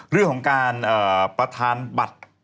เรื่องของการประธานบัตร